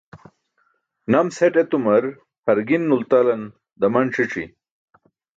Nams het etumar hargin nultalan daman ṣi̇c̣i.